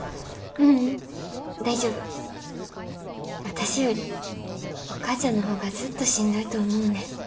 私よりお母ちゃんの方がずっとしんどいと思うねん。